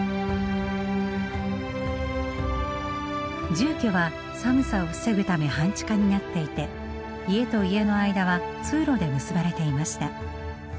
住居は寒さを防ぐため半地下になっていて家と家の間は通路で結ばれていました。